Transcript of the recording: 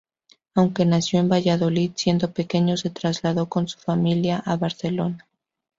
Aunque nació en Valladolid, siendo pequeño se trasladó con su familia a Barcelona.